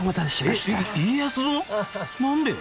何で？